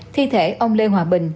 thi thể ông lê hòa bình